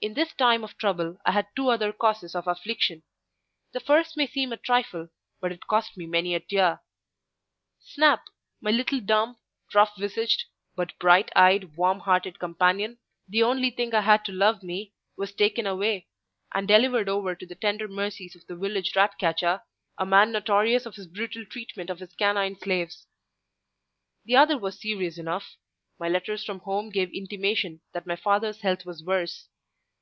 In this time of trouble I had two other causes of affliction. The first may seem a trifle, but it cost me many a tear: Snap, my little dumb, rough visaged, but bright eyed, warm hearted companion, the only thing I had to love me, was taken away, and delivered over to the tender mercies of the village rat catcher, a man notorious for his brutal treatment of his canine slaves. The other was serious enough; my letters from home gave intimation that my father's health was worse.